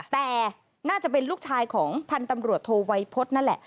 แต่น่าจะเป็นลูกชายของพันธ์ตำรวจโทวัยพฤษนั่นแหละ